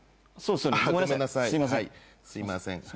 すいません。